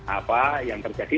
apa yang terjadi